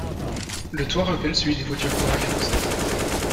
Le toit rappelle celui des voitures Corail françaises.